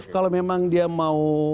kalau memang dia mau